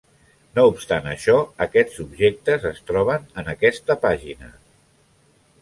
No obstant això, aquests objectes es troben en aquesta pàgina.